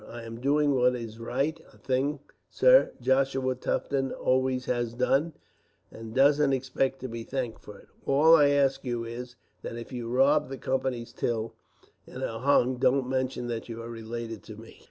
I am doing what is right; a thing, sir, Joshua Tufton always has done, and doesn't expect to be thanked for it. All I ask you is, that if you rob the Company's till and are hung, don't mention that you are related to me."